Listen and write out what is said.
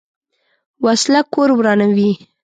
وسله کور ورانوي